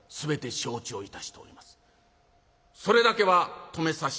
それだけは止めさせて頂きました」。